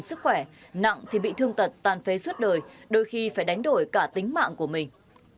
sức khỏe nặng thì bị thương tật tan phế suốt đời đôi khi phải đánh đổi cả tính mạng của mình